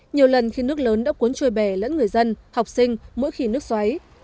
nhiều lần khi nước lớn đã cuốn trôi bè lẫn người dân học sinh mỗi khi nước xoáy